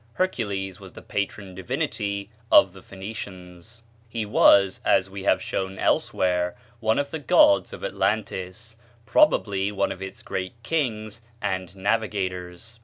Hercules was the patron divinity of the Phoenicians. He was, as we have shown elsewhere, one of the gods of Atlantis probably one of its great kings and navigators.